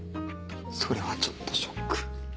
それはちょっとショック。